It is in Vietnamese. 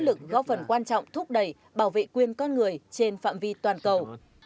nỗ lực góp phần quan trọng thúc đẩy bảo vệ quyền con người trên phạm vi toàn cầu